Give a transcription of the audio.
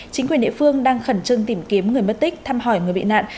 chính quyền địa phương đang khẩn trương tìm kiếm người mất tích thăm hỏi người bị nạn